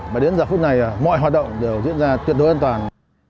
và đến giờ phút này mọi hoạt động đều diễn ra tuyệt đối an toàn